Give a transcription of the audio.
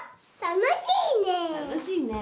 楽しいね。